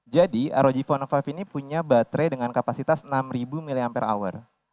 jadi rog phone lima ini punya baterai dengan kapasitas enam ribu mah